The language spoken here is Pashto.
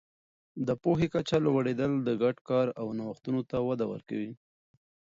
د پوهې کچه لوړېدل د ګډ کار او نوښتونو ته وده ورکوي.